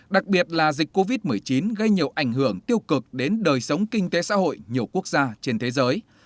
đặc biệt là dịch covid một mươi chín gây nhiều ảnh hưởng tiêu cực đến đời sống kinh tế xã hội nhiều quốc gia trên thế giới